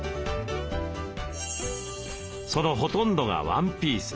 そのほとんどがワンピース。